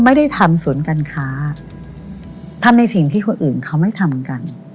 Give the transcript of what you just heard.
ไม่ได้ทำศูนย์การค้าทำในสิ่งที่คนอื่นเขาไม่ทำกัน